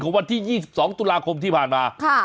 วันที่๒๒ตุลาคมที่ผ่านมา